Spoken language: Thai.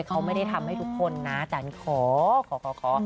ไม่เค้าไม่ได้ทำให้ทุกคนนะแต่อันนี้ขอขอขอ